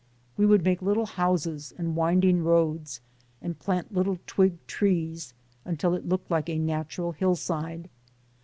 We would make little houses and winding roads, and plant little twig trees until it looked like a natural hillside.